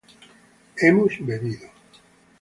hemos bebido